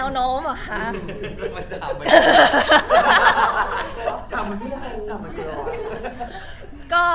แนวโน้มเหรอคะ